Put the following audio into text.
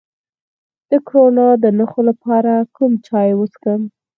د کرونا د نښو لپاره کوم چای وڅښم؟